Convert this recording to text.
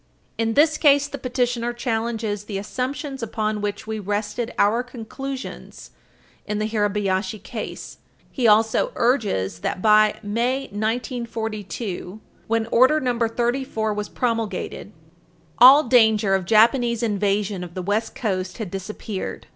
In this case, the petitioner challenges the assumptions upon which we rested our conclusions in the Hirabayashi case. He also urges that, by May, 1942, when Order No. 34 was promulgated, all danger of Japanese invasion of the West Coast had disappeared.